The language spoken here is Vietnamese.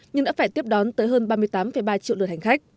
nhưng đã phải tiếp đón tới hơn ba mươi tám ba triệu lượt hành khách